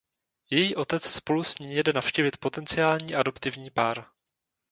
Její otec spolu s ní jede navštívit potenciální adoptivní pár.